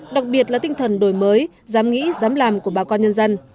đặc biệt là tinh thần đổi mới dám nghĩ dám làm của bà con nhân dân